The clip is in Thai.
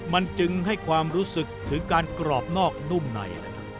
มันจึงให้ความรู้สึกถึงการกรอบนอกนุ่มใน